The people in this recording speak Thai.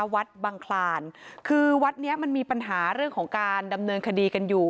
วัดบังคลานคือวัดเนี้ยมันมีปัญหาเรื่องของการดำเนินคดีกันอยู่